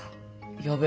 やべえ。